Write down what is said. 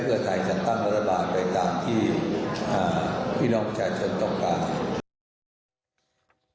เพื่อไทยจัดตั้งรัฐบาลไปตามที่พี่น้องมิจารณ์จนตรงกลาง